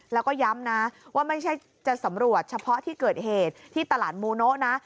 แล้วก็ย้ำนะว่าไม่ใช่จะสำรวจเฉพาะที่เกิดเหตุที่ตลาดมูโนะ